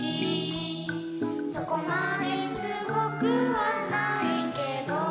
「そこまですごくはないけど」